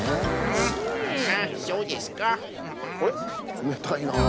つめたいなあ。